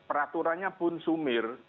peraturannya pun sumir